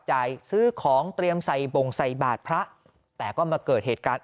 ซื้อของเตรียมใส่บ่งใส่บาทพระแต่ก็มาเกิดเหตุการณ์